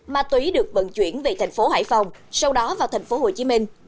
ma túy được vận chuyển về thành phố hải phòng sau đó vào thành phố hồ chí minh